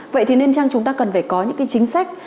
vậy thì nên chăng chúng ta cần phải có những cái chính sách